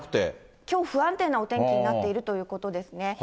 きょう不安定なお天気になっているということですね。